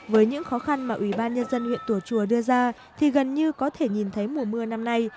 với những khó khăn mà ủy ban nhân dân huyện tùa chùa đưa ra thì gần như có thể nhìn thấy mùa mưa năm nay